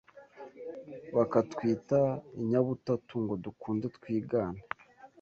Bakatwita inyabutatu Ngo dukunde twigane